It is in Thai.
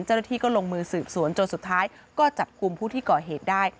เจ้าหน้าที่ก็ลงมือสืบสวนจนสุดท้ายก็จับกลุ่มผู้ที่ก่อเหตุได้